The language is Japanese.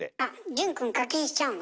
潤くん課金しちゃうの？